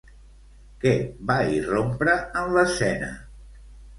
Què va irrompre en l'escena?